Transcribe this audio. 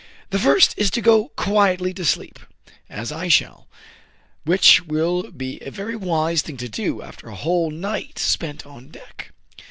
" The first is to go quietly to sleep, as I shall ; which will be a very wise thing to do, after a whole night spent on deck."